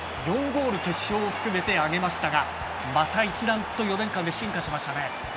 ４ゴールを決勝を含めて挙げましたがまた一段と４年間で進化しました。